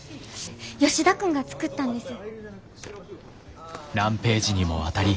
吉田君が作ったんです。